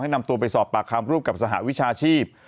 นำตัวไปสอบปากคำร่วมกับสหวิชาชีพ